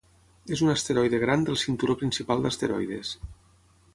És un asteroide gran del cinturó principal d'asteroides.